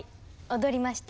踊りました。